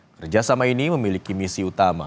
kerjasama ini memiliki misi utama